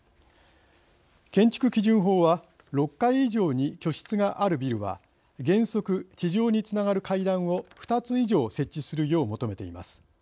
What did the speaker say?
建築基準法は６階以上に居室があるビルは原則地上につながる階段を２つ以上設置するよう求めています。